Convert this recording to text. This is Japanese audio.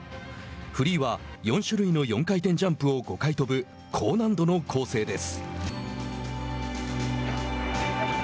フリーは４種類の４回転ジャンプを５回跳ぶ、高難度の構成です。